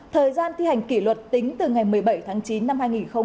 thời gian thi hành kỷ luật tính từ ngày một mươi bảy tháng chín năm hai nghìn một mươi chín